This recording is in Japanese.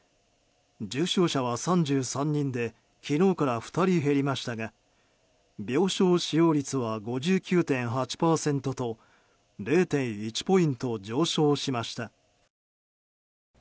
重症者は３３人で昨日から２人減りましたが病床使用率は５９．８％と０．１ポイント上昇しました。